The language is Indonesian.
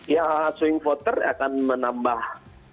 ya swing voter akan menambah